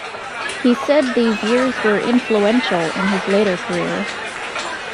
He said these years were influential in his later career.